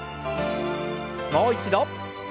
もう一度。